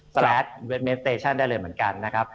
สตราทเว็ดเมนต์สเตชั่นได้เลยเหมือนกันนะครับ